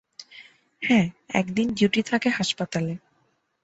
হ্যাঁ, একদিন ডিউটি থাকে হাসপাতালে।